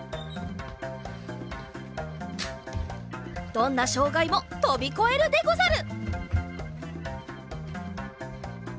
どんなしょうがいもとびこえるでござる！